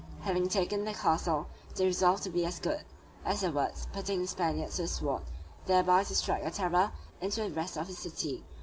Having taken the castle, Morgan resolved to be as good as his word, putting the Spaniards to the sword, thereby to strike a terror into the rest of the city.